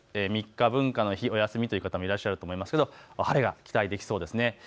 ３日、文化の日、お休みという方もいらっしゃいますが、晴れが期待できそうです。